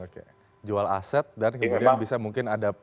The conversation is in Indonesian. oke jual aset dan kemudian bisa mungkin ada